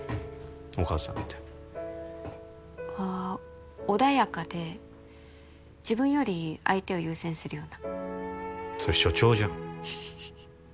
お母さんってあー穏やかで自分より相手を優先するようなそれ所長じゃん